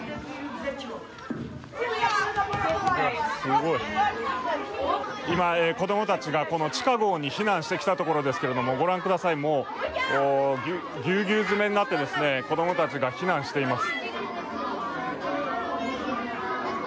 うわ、すごい、今、子供たちがこの地下ごうに避難してきたところですけれども、ご覧ください、もうギュウギュウ詰めになって子供たちが避難しています。